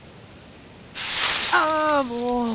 ・ああもう！